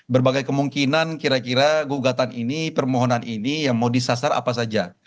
berbagai kemungkinan kira kira gugatan ini permohonan ini yang mau disasar apa saja